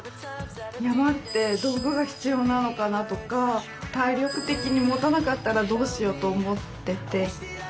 山って道具が必要なのかなとか体力的にもたなかったらどうしようと思ってて。